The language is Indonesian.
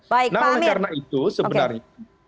nah oleh karena itu sebenarnya